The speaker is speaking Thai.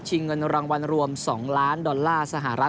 เงินรางวัลรวม๒ล้านดอลลาร์สหรัฐ